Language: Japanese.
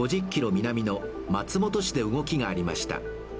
南の松本市で動きがありました。